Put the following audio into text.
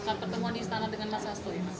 pertemuan istana dengan mas hasto ini